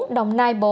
đồng nai bốn